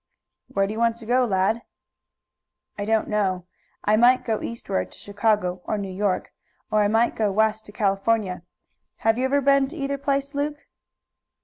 "Where do you want to go, lad?" "I don't know. I might go eastward to Chicago or New York, or I might go West to California. Have you ever been to either place, Luke?"